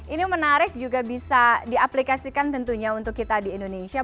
ini menarik juga bisa diaplikasikan tentunya untuk kita di indonesia